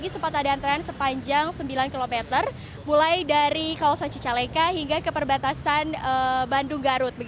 sempat ada antrean sepanjang sembilan km mulai dari kawasan cicalengka hingga ke perbatasan bandung garut